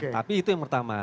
tapi itu yang pertama